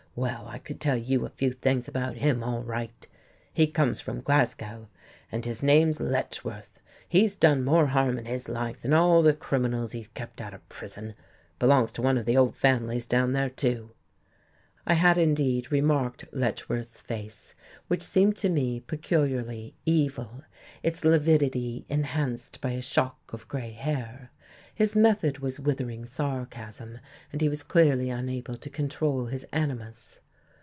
Well, I could tell you a few things about him, all right. He comes from Glasgow, and his name's Letchworth. He's done more harm in his life than all the criminals he's kept out of prison, belongs to one of the old families down there, too." I had, indeed, remarked Letchworth's face, which seemed to me peculiarly evil, its lividity enhanced by a shock of grey hair. His method was withering sarcasm, and he was clearly unable to control his animus....